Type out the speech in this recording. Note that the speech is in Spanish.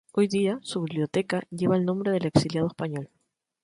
Hoy día su biblioteca lleva el nombre del exiliado español.